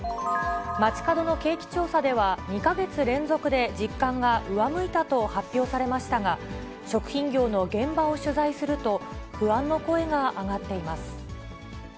街角の景気調査では、２か月連続で実感が上向いたと発表されましたが、食品業の現場を取材すると、不安の声が上がっています。